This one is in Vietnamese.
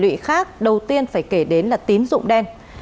các đối tượng khác đầu tiên phải kể đến là tín dụng đen